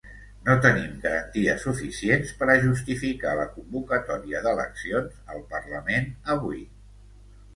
No tenim garanties suficients per a justificar la convocatòria d’eleccions al parlament avui.